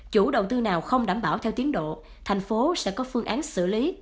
chủ đầu tư nào không đảm bảo theo tiến độ thành phố sẽ có phương án xử lý